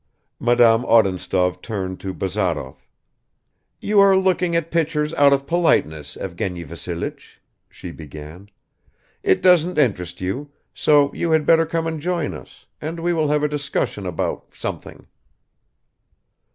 Madame Odintsov turned to Bazarov. "You are looking at pictures out of politeness, Evgeny Vassilich," she began. "It doesn't interest you, so you had better come and join us, and we will have a discussion about something."